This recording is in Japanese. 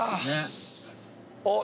おっ！